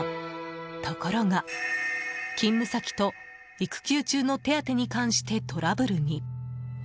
ところが勤務先と育休中の手当に関してトラブルに。